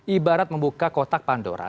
ibarat membuka kotak pandora